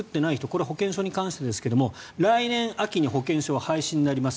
これは保険証に関してですが来年秋に保険証は廃止になります。